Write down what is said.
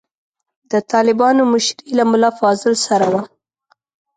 د طالبانو مشري له ملا فاضل سره وه.